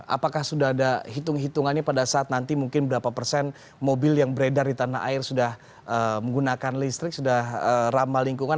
apakah sudah ada hitung hitungannya pada saat nanti mungkin berapa persen mobil yang beredar di tanah air sudah menggunakan listrik sudah ramah lingkungan